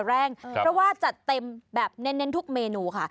เพราะว่าจัดเต็มแบบเน้นทุกเมนูค่ะ